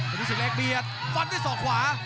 ธนูสิกเล็กเบียดฟันด้วยส่อขวา